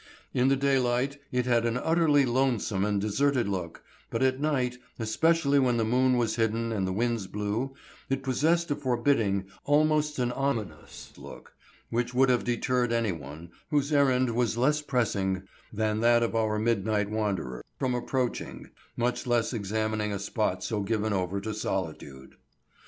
In the daylight it had an utterly lonesome and deserted look, but at night, especially when the moon was hidden and the winds blew, it possessed a forbidding, almost an ominous look, which would have deterred anyone whose errand was less pressing than that of our midnight wanderer, from approaching, much less examining a spot so given over to solitude.